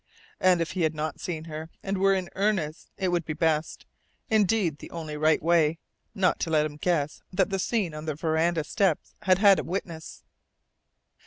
And if he had not seen her, and were in earnest, it would be best indeed the only right way not to let him guess that the scene on the veranda steps had had a witness.